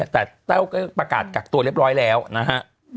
แต่แต้วก็ประกาศกักตัวเรียบร้อยแล้วนะฮะ